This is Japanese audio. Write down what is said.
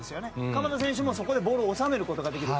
鎌田選手も、そこでボールを収めることができる。